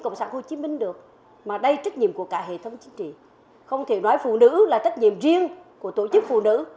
cộng sản hồ chí minh được mà đây trách nhiệm của cả hệ thống chính trị không thể nói phụ nữ là trách nhiệm riêng của tổ chức phụ nữ